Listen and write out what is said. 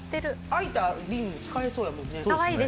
空いた瓶、使えそうよね。